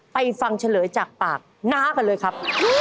ฟังเฉลยจากปากน้ากันเลยครับ